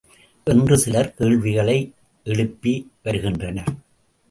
என்று சிலர் கேள்விகளை எழுப்பி வருகின்றனர்.